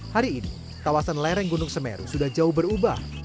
hari ini kawasan lereng gunung semeru sudah jauh berubah